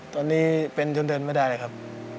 ตอนนี้เป็นจนเดินไม่ได้เลยครับ